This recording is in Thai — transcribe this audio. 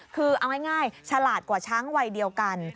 คือเอาง่ายฉลาดกว่าช้างวัยเดียวกัน